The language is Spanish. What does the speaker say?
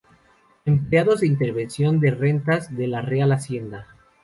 Empleados de Intervención de Rentas, de la Real Hacienda.